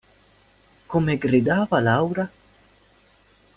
Come gridava Laura?